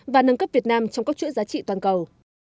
và nâng cấp việt nam trong các chuỗi giá trị toàn cầu